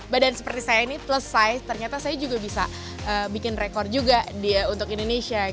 badan seperti saya ini selesai ternyata saya juga bisa bikin rekor juga untuk indonesia